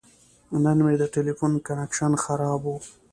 نن مې د تلیفون کنکشن خراب و.